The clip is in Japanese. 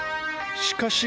しかし。